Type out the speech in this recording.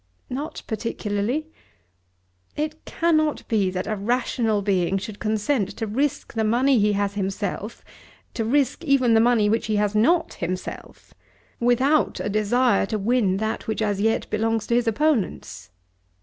"Not particularly." "It cannot be that a rational being should consent to risk the money he has himself, to risk even the money which he has not himself, without a desire to win that which as yet belongs to his opponents.